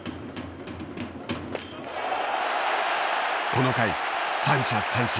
この回三者三振。